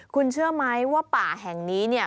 คุณเชื่อไหมว่าป่าแห่งนี้เนี่ย